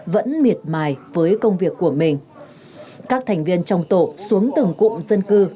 vẫn miệt mài với công việc của mình các thành viên trong tổ xuống từng cụm dân cư